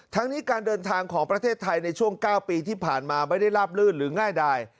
ทั้งนี้การเดินทางของประเทศไทยในช่วง๙ปีที่ผ่านมาไม่ได้ลาบลื่นหรือง่ายดาย